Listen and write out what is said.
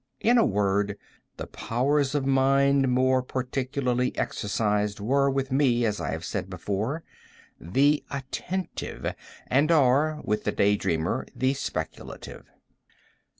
In a word, the powers of mind more particularly exercised were, with me, as I have said before, the attentive, and are, with the day dreamer, the speculative.